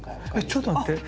えちょっと待って。